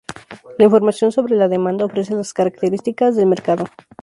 La información sobre la demanda ofrece las características del mercado.